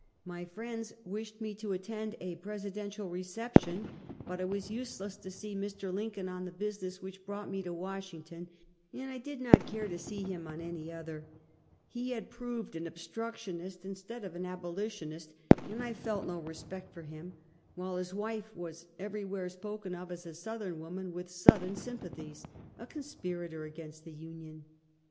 236 Half a Centuet. My friends wislied me to attend a Presidential re ception ; but it was useless to see Mr. Lincoln on the business which brought me to "Washington, and I did not care to see him on any other. He had proved an obstructionist instead of an abolitionist, and I felc no respect for him ; while his wife was every where spoken of as a Southern woman with Southern sympathies — a conspirator against the Union.